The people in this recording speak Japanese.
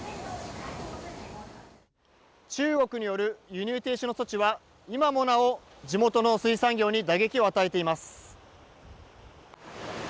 中国による輸入停止の措置は、今もなお、地元の水産業に打撃を与えています。